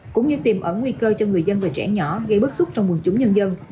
cũng như tìm ẩn nguy cơ cho người dân và trẻ nhỏ gây bức xúc trong quần chúng nhân dân